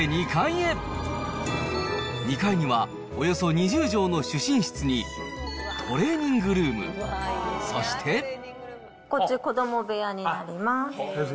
２階には、およそ２０畳の主寝室に、トレーニングルーム、そして。こっち、子ども部屋になります。